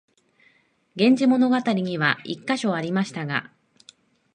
「源氏物語」には一カ所ありましたが、